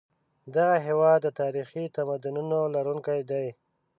دغه هېواد د تاریخي تمدنونو لرونکی دی.